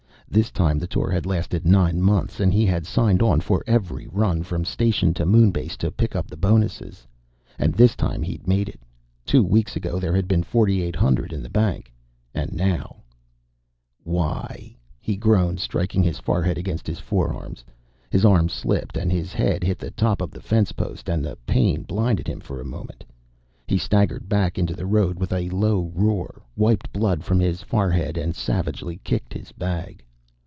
This time the tour had lasted nine months, and he had signed on for every run from station to moon base to pick up the bonuses. And this time he'd made it. Two weeks ago, there had been forty eight hundred in the bank. And now ... "Why?" he groaned, striking his forehead against his forearms. His arm slipped, and his head hit the top of the fencepost, and the pain blinded him for a moment. He staggered back into the road with a low roar, wiped blood from his forehead, and savagely kicked his bag.